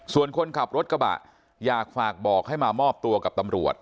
ส่วนคนขับรถกระบะอยากฝากบอกให้มามอบตัวกับตำรวจ